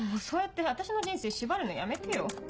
そうやって私の人生縛るのやめてよ。